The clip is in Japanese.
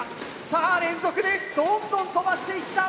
さあ連続でどんどん飛ばしていった！